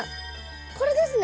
これですね？